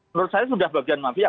menurut saya sudah bagian mafia